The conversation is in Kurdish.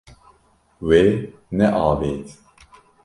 Wê neavêt.